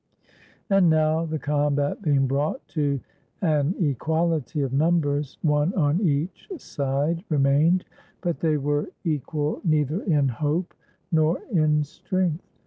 And now, the combat being brought to an equality of numbers, one on each side remained, but they were 264 THE HORATII AND THE CURIATII equal neither in hope nor in strength.